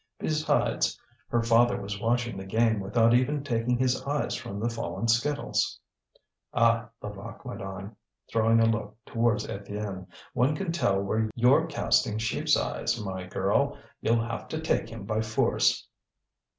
Besides, her father was watching the game without even taking his eyes from the fallen skittles. "Ah!" Levaque went on, throwing a look towards Étienne: "one can tell where you're casting sheep's eyes, my girl! You'll have to take him by force."